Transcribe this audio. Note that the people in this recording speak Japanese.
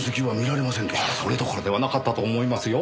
それどころではなかったと思いますよ。